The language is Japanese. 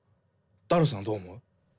ダルさんはどう思う？